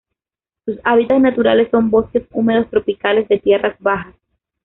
Sus hábitats naturales son bosques húmedos tropicales de tierras bajas.